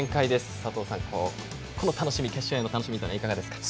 佐藤さｎ、この決勝への楽しみいかがですか？